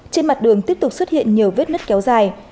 trên mặt đường tiếp tục xuất hiện nhiều vết nứt kéo dài